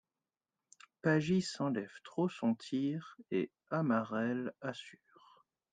Pagis enlève trop sont tir et Amarelle assure.